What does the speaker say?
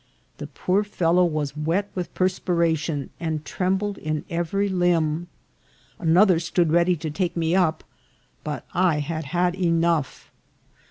The poor fellow was wet with perspiration, and trembled in every limb. Anoth er stood ready to take me up, but I had had enough.